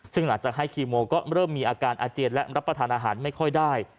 ซึ่งหลังจากให้คีโมก็เริ่มมีอาการอาเจียนและรับประทานอาหารไม่ค่อยได้